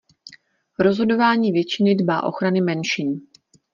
Rozhodování většiny dbá ochrany menšin.